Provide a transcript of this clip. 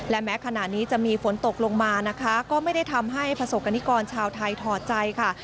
และแม้ขณะนี้จะมีฝนตกลงมานะคะก็ไม่ได้ทำให้ประสบกรณิกรชาวไทยถอดใจค่ะ